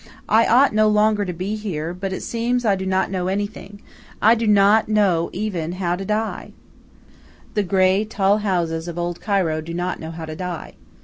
"I ought no longer to be here, but it seems I do not know anything. I do not know even how to die!" The grey, tall houses of Old Cairo do not know how to die.